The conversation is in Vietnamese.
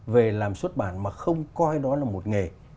về làm xuất bản mà không coi đó là một nghề